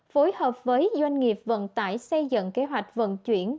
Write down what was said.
phối hợp với doanh nghiệp vận tải xây dựng kế hoạch vận chuyển